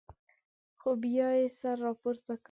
خو بیا یې سر راپورته کړ.